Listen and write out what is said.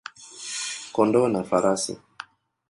kondoo na farasi.